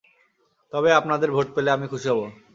তবে, আপনাদের ভোট পেলে আমি খুশী হব।